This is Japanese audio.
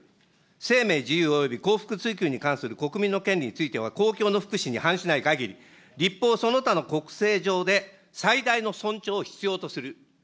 生命、自由および幸福追求に関する国民の権利については公共の福祉に反しないかぎり、立法その他の国政上で最大の尊重を必要とする。